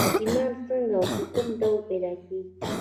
ايمان څنګه او په کوم ډول پيدا کېږي؟